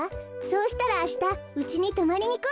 そうしたらあしたうちにとまりにこない？